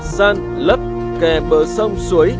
săn lấp kè bờ sông suối